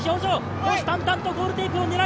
虎視眈々とゴールテープを狙う。